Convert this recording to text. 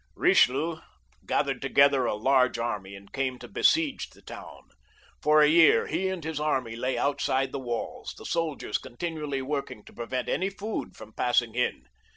Bichelieu gathered together a large army, and came to besiege the town. For a year he and his army lay outside the waUs, the soldiers continually at work to prevent any food from passing in.